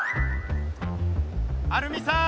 アルミさん！